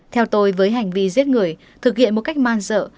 theo tôi với hành vi giết người thực hiện một cách man dợ